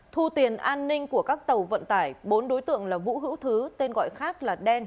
thu tiền an ninh của các tàu vận tải bốn đối tượng là vũ hữu thứ tên gọi khác là đen